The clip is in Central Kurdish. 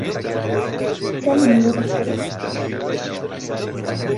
چەند میوە دەخۆیت؟